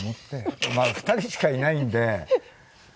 まあ２人しかいないんでうん。